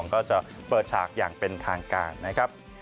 ก็จะเปิดฉากอย่างเป็นทางกาย